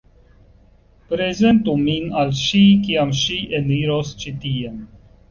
Prezentu min al ŝi, kiam ŝi eniros ĉi tien!